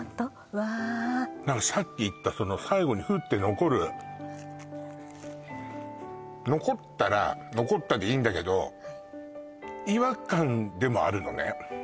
わあ何かさっき言ったその最後にフッて残る残ったら残ったでいいんだけど違和感でもあるのね